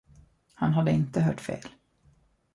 Han hade inte hört fel.